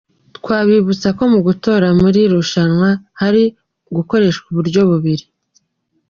Twabibutsa ko mu gutora muri iri rushanwa harimo gukoreshwa uburyo bubiri.